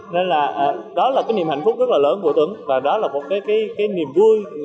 nên là đó là cái niềm hạnh phúc rất là lớn của tuấn và đó là một cái niềm vui